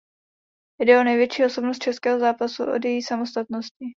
Jde o největší osobnost českého zápasu od její samostatnosti.